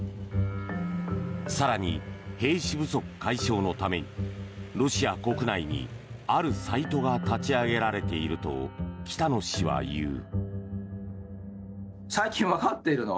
更に兵士不足解消のためにロシア国内に、あるサイトが立ち上げられていると北野氏は言う。